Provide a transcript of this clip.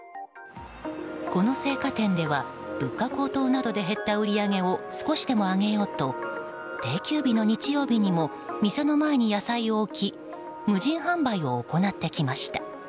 この青果店では物価高騰などで減った売り上げを少しでも上げようと定休日の日曜日にも店の前に野菜を置き無人販売を行ってきました。